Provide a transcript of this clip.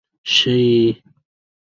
شې.